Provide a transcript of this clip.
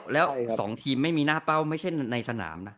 แล้ว๒ทีมไม่มีหน้าเป้าไม่ใช่ในสนามนะ